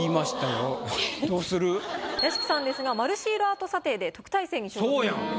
屋敷さんですが丸シールアート査定で特待生に昇格したんです。